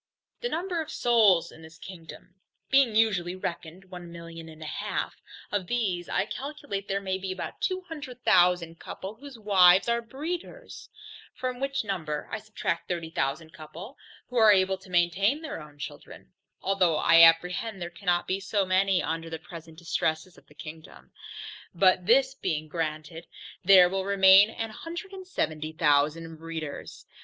The number of souls in this kingdom being usually reckoned one million and a half, of these I calculate there may be about two hundred thousand couple, whose wives are breeders; from which number I subtract thirty thousand couple, who are able to maintain their own children, (although I apprehend there cannot be so many under the present distresses of the kingdom) but this being granted, there will remain a hundred and seventy thousand breeders.